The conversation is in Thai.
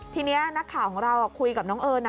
ทีนี้นักข่าวของเราคุยกับน้องเอิญนะ